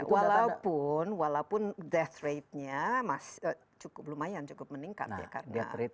walaupun death ratenya lumayan cukup meningkat ya karena akhir akhir ini